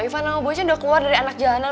ivan sama bocah udah keluar dari anak jalanan